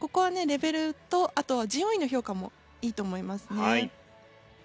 レベルとあとＧＯＥの評価もいいと思いますね。